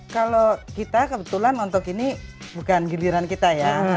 kalau kita kebetulan untuk ini bukan giliran kita ya